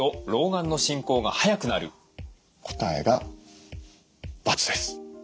答えが×です。